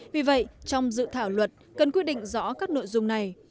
vì vậy trong dự thảo luật cần quy định rõ các nội dung này